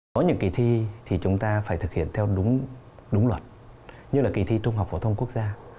có những kỳ thi thì chúng ta phải thực hiện theo đúng luật như là kỳ thi trung học phổ thông quốc gia